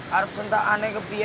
harap sentak aneh ke biaya